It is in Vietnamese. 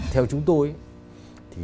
theo chúng tôi